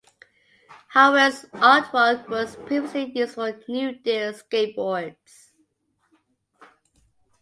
Howell's artwork was previously used for New Deal Skateboards.